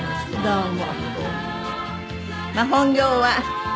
どうも。